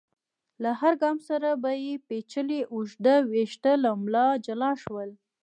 له هر ګام سره به يې پيچلي اوږده ويښته له ملا جلا شول.